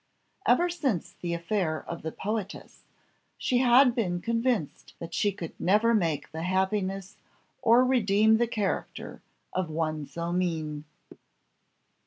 Ever since the affair of the poetess, she had been convinced that she could never make the happiness or redeem the character of one so mean.